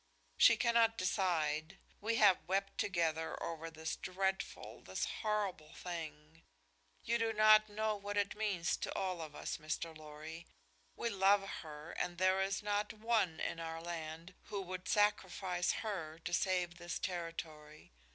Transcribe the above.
"She cannot decide. We have wept together over this dreadful, this horrible thing. You do not know what it means to all of us, Mr. Lorry. We love her, and there is not one in our land who would sacrifice her to save this territory.